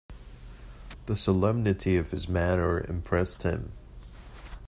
The solemnity of his manner impressed him.